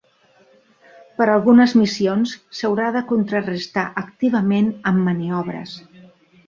Per a algunes missions s'haurà de contrarestar activament amb maniobres.